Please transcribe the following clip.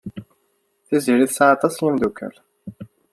Tiziri tesɛa aṭas n yimeddukal.